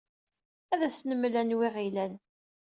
Ad asen-nmel anwa ay aɣ-ilan.